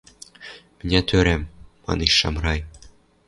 — Мӹнят ӧрӓм, — манеш Шамрай.